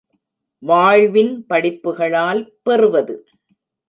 வாழ்வின் படிப்புகளால் பெறுவது.